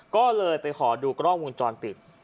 ก็เลยไปขอดูกล้องวงจรปิด